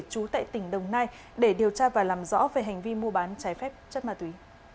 chú tại tỉnh đồng nai để điều tra và làm rõ về hành vi mua bán trái phép chất ma túy